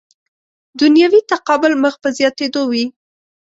دنیوي تقابل مخ په زیاتېدو وي.